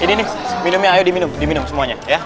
ini nih minumnya ayo diminum diminum semuanya ya